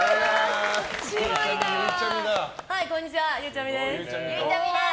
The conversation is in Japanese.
こんにちは、ゆうちゃみです。